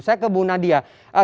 saya ke bu nadia